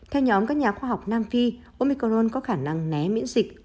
theo nhóm các nhà khoa học nam phi omicron có khả năng né miễn dịch